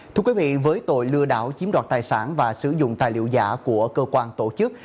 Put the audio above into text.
thưa quý vị với tội lừa đảo chiếm đoạt tài sản và sử dụng tài liệu giả của cơ quan tổ chức